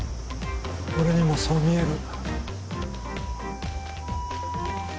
俺にもそう見える